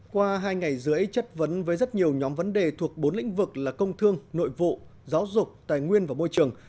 qua hai ngày rưỡi chất vấn với rất nhiều nhóm vấn đề thuộc bốn lĩnh vực là công thương nội vụ giáo dục tài nguyên và môi trường